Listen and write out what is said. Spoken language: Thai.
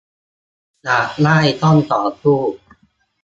อยากได้ต้องต่อสู้